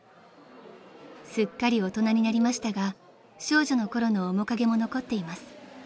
［すっかり大人になりましたが少女のころの面影も残っています］